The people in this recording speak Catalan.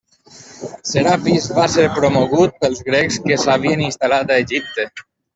Serapis va ser promogut pels grecs que s'havien instal·lat a Egipte.